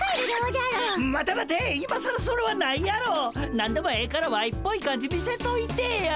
何でもええからワイっぽい感じ見せといてぇや！